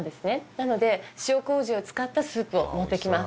「なので塩麹を使ったスープを持っていきます」